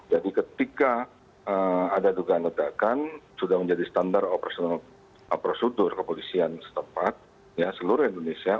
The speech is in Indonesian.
jadi ketika ada dugaan ledakan sudah menjadi standar prosedur kepolisian setempat seluruh indonesia